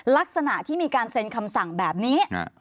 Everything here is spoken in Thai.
ลักษณะที่มีการเซ็นคำสั่งแบบนี้